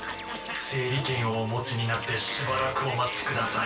整理券をお持ちになってしばらくお待ちください。